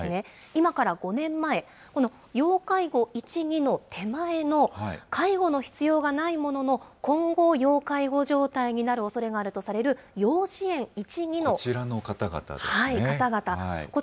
今から５年前、この要介護１、２の手前の、介護の必要がないものの今後要介護状態になるおそれがあるとされこちらの方々ですね。